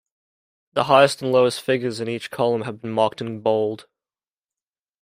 The highest and lowest figures in each column have been marked in bold.